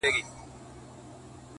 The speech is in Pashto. چي ورته سر ټيټ كړمه ‘ وژاړمه’